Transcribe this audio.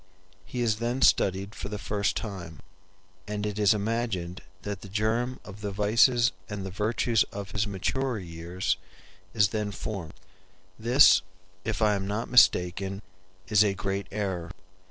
He is then studied for the first time, and it is imagined that the germ of the vices and the virtues of his maturer years is then formed. This, if I am not mistaken, is a great error.